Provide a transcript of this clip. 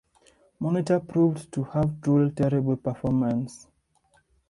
Monitor proved to have truly terrible performance.